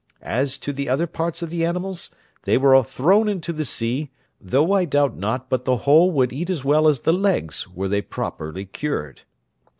As to the other parts of the animals, they were thrown into the sea, though I doubt not but the whole would eat as well as the legs, were they properly cured.